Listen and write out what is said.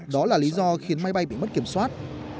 đó là lý do khiến máy bay bị mất kiểm soát